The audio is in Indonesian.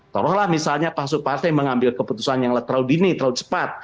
taruhlah misalnya masuk partai mengambil keputusan yang terlalu dini terlalu cepat